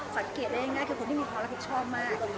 สังเกตได้ง่ายคือคนที่มีความรับผิดชอบมาก